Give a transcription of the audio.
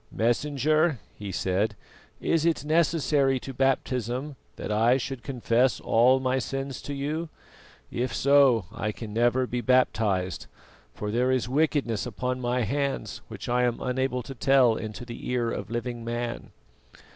"Messenger," he said, "is it necessary to baptism that I should confess all my sins to you? If so, I can never be baptised, for there is wickedness upon my hands which I am unable to tell into the ear of living man."